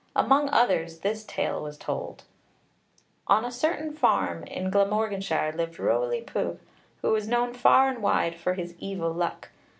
Among others, this tale was told: On a certain farm in Glamorganshire lived Rowli Pugh, who was known far and wide for his evil luck.